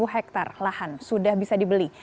tiga puluh empat hektare lahan sudah bisa dibeli